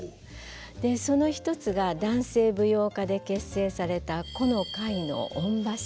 その一つが男性舞踊家で結成された弧の会の「御柱」。